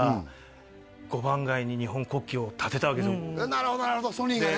なるほどなるほどＳＯＮＹがね